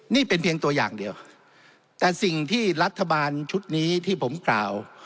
นี่เป็นเพียงตัวอย่างเดียวแต่สิ่งที่รัฐบาลชุดนี้ที่ผมกล่าว